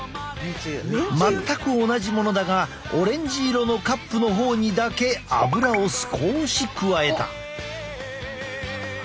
全く同じものだがオレンジ色のカップの方にだけアブラを少し加えた。